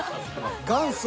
「元祖！